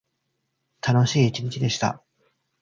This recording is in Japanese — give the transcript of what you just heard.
楽しい一日でした。